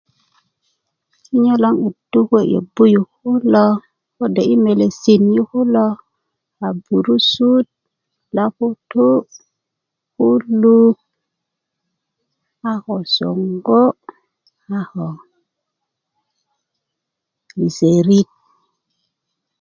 kinyo lo um kur kuwe yobu kode kuwe melesin yu kulo a burusut loputú puluk a ko songo a ko liserit